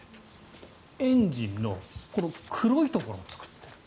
エンジンの黒いところを作っている。